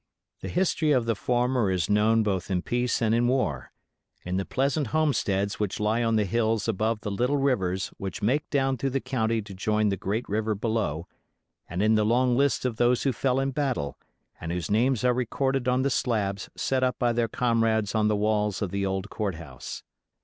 The history of the former is known both in peace and in war: in the pleasant homesteads which lie on the hills above the little rivers which make down through the county to join the great river below, and in the long list of those who fell in battle, and whose names are recorded on the slabs set up by their comrades on the walls of the old Court House.